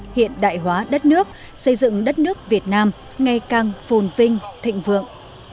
hiện đại hóa đất nước xây dựng đất nước việt nam ngày càng phồn vinh thịnh vượng